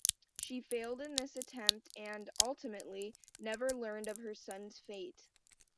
She failed in this attempt and, ultimately, never learned of her son's fate.